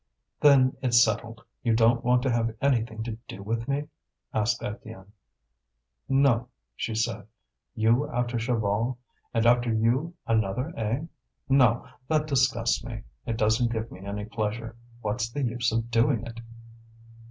"Then it's settled. You don't want to have anything to do with me?" asked Étienne. "No," she said. "You after Chaval; and after you another, eh? No, that disgusts me; it doesn't give me any pleasure. What's the use of doing it?"